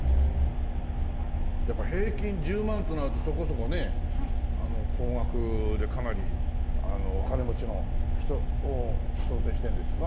やっぱり平均１０万となるとそこそこね高額でかなりお金持ちの人を想定しているんですか？